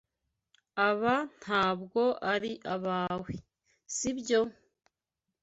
Aba ntabwo ari abawe, si byo?